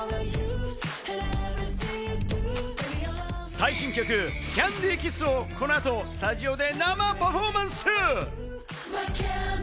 最新曲『ＣａｎｄｙＫｉｓｓ』をこの後、スタジオで生パフォーマンス。